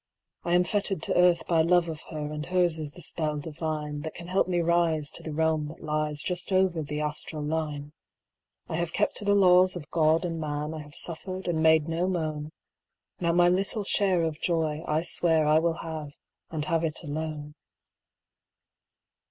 'I am fettered to Earth by love of her, And hers is the spell divine, That can help me rise, to the realm that lies Just over the astral line. 'I have kept to the laws of God and man, I have suffered and made no moan; Now my little share of joy, I swear I will have—and have it alone.